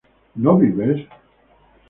¿no vives?